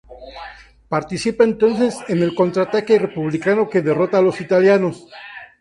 Participa entonces en el contraataque republicano que derrota a los italianos.